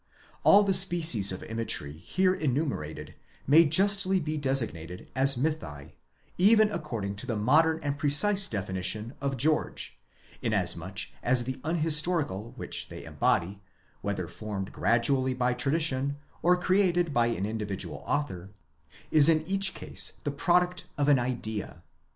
All the species of imagery here enumerated may justly be designated as mythi, even according to the modern and precise definition of George, inasmuch as the unhistorical which they embody—whether formed gradually by tradition, or created by an individual author—is in each case the product of an zdea.